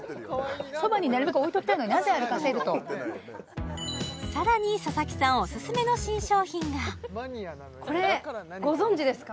そばになるべく置いときたいのになぜ歩かせるとさらに佐々木さんおすすめの新商品がこれご存じですか？